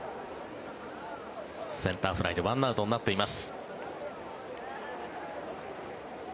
センターフライで１アウトになっています。